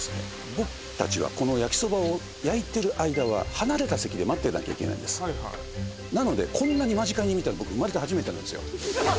僕たちはこの焼きそばを焼いている間は離れた席で待ってなきゃいけないんですなのでこんなに間近に見たの僕生まれて初めてなんですよ